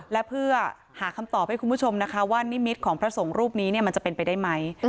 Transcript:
และเพื่อหาคำตอบให้คุณผู้ชมนะคะว่านิมิตของพระสงฆ์รูปนี้มันจะเป็นไปได้ไหม